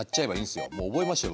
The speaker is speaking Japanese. もう覚えましたよ